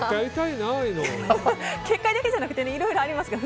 結界だけじゃなくていろいろありますから。